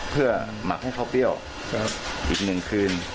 เพื่อหมักให้เขาเปรี้ยวอีก๑คืน